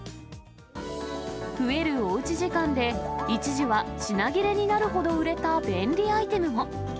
増えるおうち時間で、一時は品切れになるほど売れた便利アイテムも。